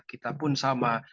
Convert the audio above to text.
kita pun sama